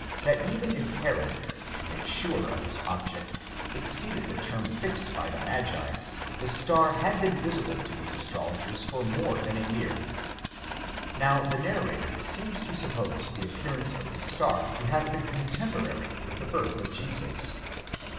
that even if Herod, to make sure of his object, exceeded the term fixed by~ the magi, the star had been visible to these astrologers for more than a year.. Now the narrator seems to suppose the appearance of the star to have been. cotemporary with the birth of Jesus.